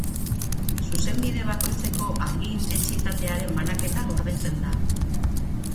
Zuzenbide bakoitzeko argi-intentsitatearen banaketa gordetzen da.